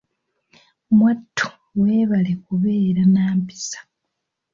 Mwattu weebale kubeera na mpisa.